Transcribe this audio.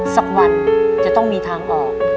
สักวันจะต้องมีทางออก